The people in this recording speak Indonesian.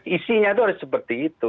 isinya harus seperti itu